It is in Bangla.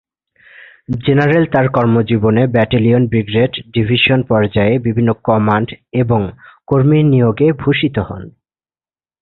জেনারেল তার কর্মজীবনে ব্যাটালিয়ন, ব্রিগেড এবং ডিভিশন পর্যায়ে বিভিন্ন কমান্ড এবং কর্মী নিয়োগে ভূষিত হন।